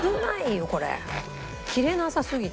切れなさすぎて。